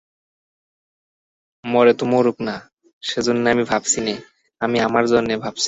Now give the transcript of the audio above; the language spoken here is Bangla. মরে তো মরুক-না, সেজন্য আমি ভাবছি নে– আমি আমার জন্যে ভাবছি।